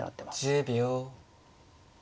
１０秒。